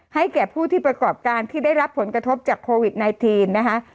แก่ผู้ที่ประกอบการที่ได้รับผลกระทบจากโควิด๑๙นะคะ